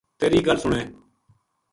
تیری گل سُنے